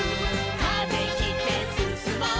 「風切ってすすもう」